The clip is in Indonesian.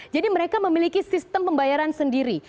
jadi mereka memiliki sistem pembayaran sendiri